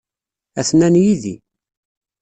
Atnan yid-i.